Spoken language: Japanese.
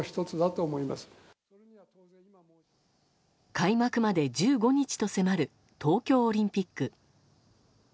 開幕まで１５日と迫る東京オリンピック。